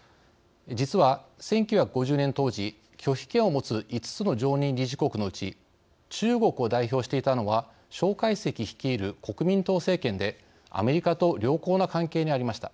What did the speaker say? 実は１９５０年当時拒否権を持つ５つの常任理事国のうち中国を代表していたのは介石率いる国民党政権でアメリカと良好な関係にありました。